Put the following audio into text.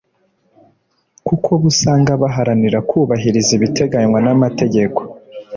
kuko bo usanga baharanira kubahiriza ibiteganywa n’amategeko